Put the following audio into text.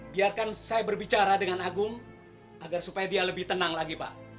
biarkan saya berbicara dengan agung agar supaya dia lebih tenang lagi pak